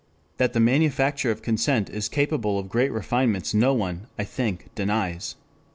4 That the manufacture of consent is capable of great refinements no one, I think, denies.